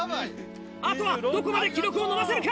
あとはどこまで記録を伸ばせるか？